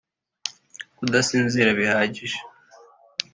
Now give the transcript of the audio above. Kudasinzira bihagije